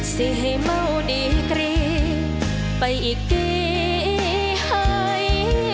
สิให้เมาดีเกรียมไปอีกเก่งให้